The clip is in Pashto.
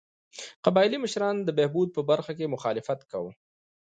قبایلي مشرانو د بهبود په برخه کې مخالفت کاوه.